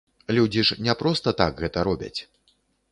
Людзі ж не проста так гэта робяць.